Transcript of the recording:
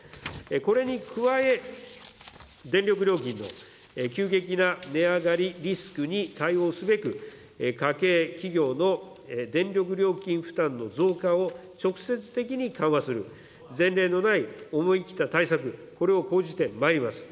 これに加え、電力料金の急激な値上がりリスクに対応すべく、家計、企業の電力料金負担の増加を直接的に緩和する、前例のない、思い切った対策、これを講じてまいります。